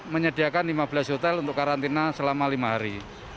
menyediakan lima belas hotel untuk karantina selama lima hari